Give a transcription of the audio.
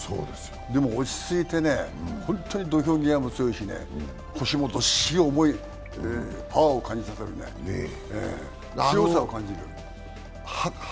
でも、落ち着いてね、本当に土俵際も強いし、腰もどっしり重い、パワーを感じさせる、強さを感じさせる。